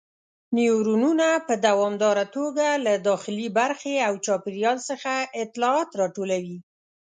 نیورونونه په دوامداره توګه له داخلي برخې او چاپیریال څخه اطلاعات راټولوي.